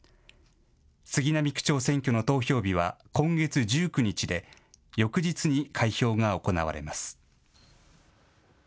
杉並区長選挙の投票日は今月１９日で翌日に開票が行われます。